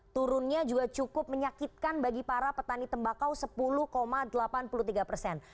turunnya juga cukup menyakitkan bagi para petani tembakau sepuluh delapan puluh tiga persen